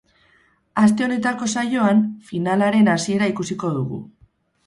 Aste honetako saioan, finalaren hasiera ikusiko dugu.